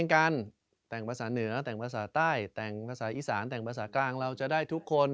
แต่งภาษาเหนือแต่งภาษาใต้แต่งภาษาอีสานแต่งภาษากลางเราจะได้ทุกคน